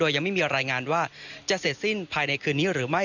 ยังไม่มีรายงานว่าจะเสร็จสิ้นภายในคืนนี้หรือไม่